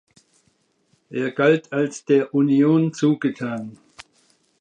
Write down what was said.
Er galt als „der Union zugetan“.